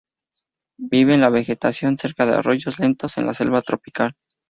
Vive en la vegetación cerca de arroyos lentos en la selva tropical.